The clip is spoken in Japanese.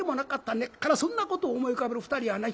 根っからそんなことを思い浮かべる２人やない。